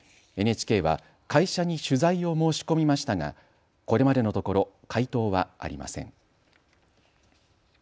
ＮＨＫは会社に取材を申し込みましたがこれまでのところ回答はありません。